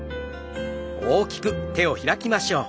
大きく手を開きましょう。